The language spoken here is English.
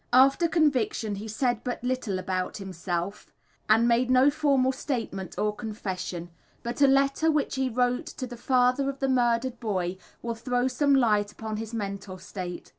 After conviction he said but little about himself, and made no formal statement or confession, but a letter which he wrote to the father of the murdered boy will throw some light upon his mental state.